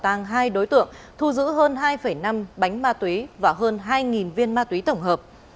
tăng hai đối tượng thu giữ hơn hai năm bánh ma túy và hơn hai viên ma túy tổng hợp